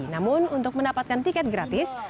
namun untuk mendapatkan tiket gratis